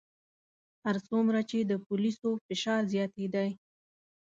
هر څومره چې د پولیسو فشار زیاتېدی.